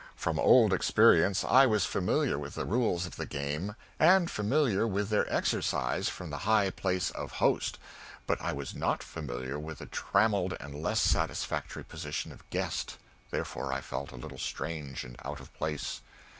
From old experience, I was familiar with the rules of the game, and familiar with their exercise from the high place of host; but I was not familiar with the trammelled and less satisfactory position of guest, therefore I felt a little strange and out of place.